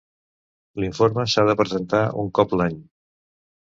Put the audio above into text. L'informe s'ha de presentar un cop l'any.